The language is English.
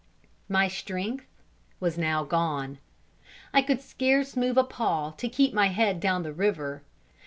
My strength was now gone I could scarce move a paw to keep my head down the river.